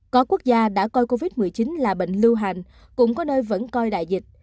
có quốc gia đã coi covid một mươi chín là bệnh lưu hành cũng có nơi vẫn coi đại dịch